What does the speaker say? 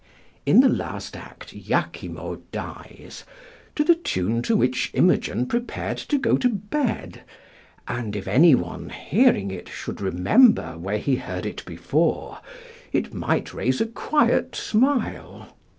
In the last act Iachimo dies to the tune to which Imogen prepared to go to bed; and if anyone, hearing it, should remember where he heard it before, it might raise a quiet smile.